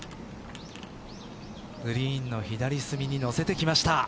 グリーンの左隅にのせてきました